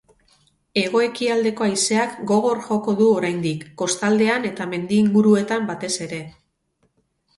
Hego-ekialdeko haizeak gogor joko du oraindik, kostaldean eta mendi inguruetan batez ere.